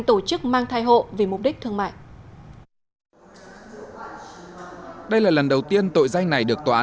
tổ chức mang thai hộ vì mục đích thương mại đây là lần đầu tiên tội danh này được tòa án